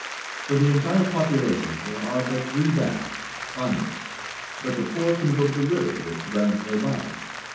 For the entire population there are but three baths (banos), but the poor can go to the river which runs near by.